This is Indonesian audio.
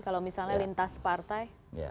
kalau misalnya lintas partai